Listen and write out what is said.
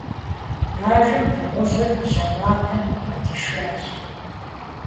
Бажэм дыгъужьыр бжьэматэм бгъэдишащ.